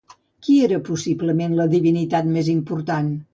Qui era, possiblement, la divinitat més important?